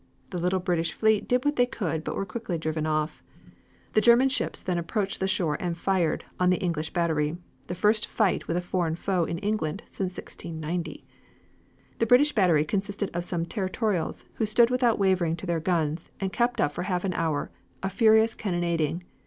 The little British fleet did what they could but were quickly driven off. The German ships then approached the shore and fired on the English battery, the first fight with a foreign foe in England since 1690. The British battery consisted of some territorials who stood without wavering to their guns and kept up for half an hour a furious cannonading.